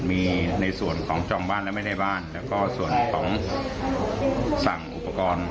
มีในส่วนของจองบ้านและไม่ได้บ้านแล้วก็ส่วนของสั่งอุปกรณ์